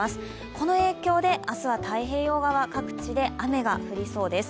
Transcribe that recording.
この影響で明日は太平洋側各地で雨が降りそうです。